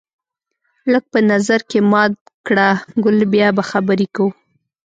لږ په نظر کې مات کړه ګل بیا به خبرې کوو